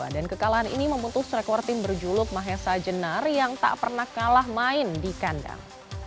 dan kekalahan ini memutus rekor tim berjuluk mahesa jenar yang tak pernah kalah main di kandang